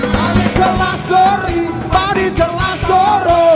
padi kelas sori padi kelas soro